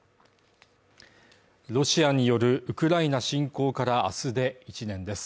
ロシアによるウクライナ侵攻からあすで１年です。